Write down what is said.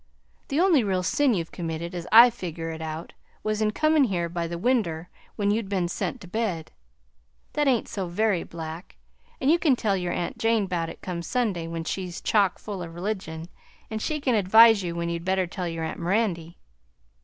The only real sin you've committed, as I figger it out, was in comin' here by the winder when you'd ben sent to bed. That ain't so very black, an' you can tell your aunt Jane 'bout it come Sunday, when she's chock full o' religion, an' she can advise you when you'd better tell your aunt Mirandy.